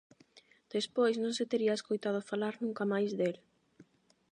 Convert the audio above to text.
Despois non se tería escoitado falar nunca máis del.